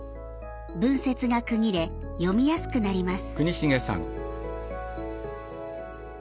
文節が区切れ読みやすくなります。